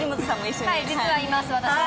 実はいます、私も。